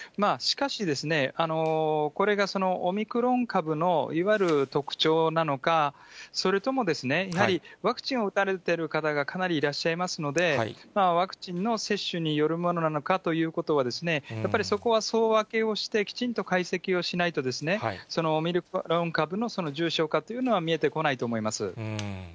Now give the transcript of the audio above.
しかし、これがオミクロン株の、いわゆる特徴なのか、それともやはり、ワクチンを打たれてる方がかなりいらっしゃいますので、ワクチンの接種によるものなのかという、やっぱりそこはそうわけをして、きちんと解析をしないと、オミクロン株の重症化というのは見えてこないと思います。